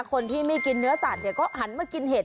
คนที่ไม่กินเนื้อสัตว์เนี่ยก็หันมากินเห็ด